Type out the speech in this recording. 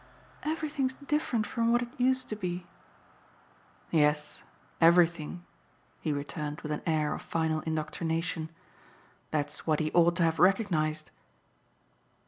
"Everything's different from what it used to be." "Yes, everything," he returned with an air of final indoctrination. "That's what he ought to have recognised."